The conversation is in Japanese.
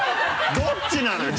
どっちなのよ？